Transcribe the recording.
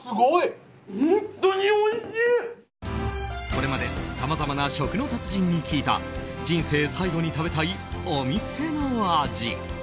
これまでさまざまな食の達人に聞いた人生最後に食べたいお店の味。